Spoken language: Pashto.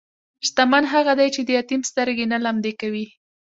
شتمن هغه دی چې د یتیم سترګې نه لمدې کوي.